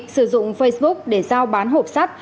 sử dụng facebook để giao bán hộp sắt